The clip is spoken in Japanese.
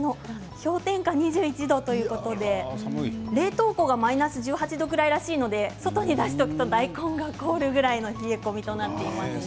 氷点下２１度ということで冷凍庫がマイナス１８度くらいらしいので外に出しておくと大根が凍るぐらいの冷え込みとなっております。